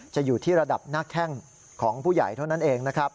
อยู่ที่ระดับหน้าแข้งของผู้ใหญ่เท่านั้นเองนะครับ